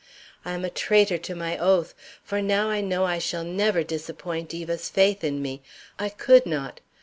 I am a traitor to my oath, for I now know I shall never disappoint Eva's faith in me. I could not.